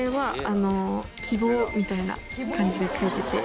みたいな感じで描いてて。